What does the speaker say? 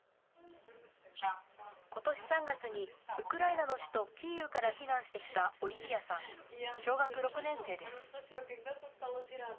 ことし３月にウクライナの首都キーウから避難してきたオリビアさん、小学６年生です。